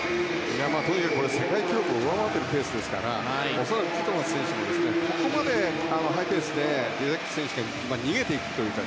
とにかく世界記録を上回っているペースですから恐らくティットマス選手もここまでハイペースでレデッキー選手が逃げていくというか